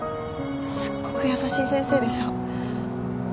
すっごく優しい先生でしょ？